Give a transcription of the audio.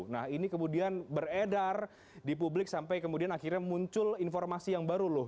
nah ini kemudian beredar di publik sampai kemudian akhirnya muncul informasi yang baru loh